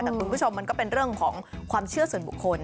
แต่คุณผู้ชมมันเป็นของความเชื่อส่วนบุคคล